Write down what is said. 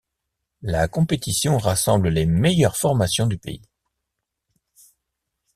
La compétition rassemble les meilleures formations du pays.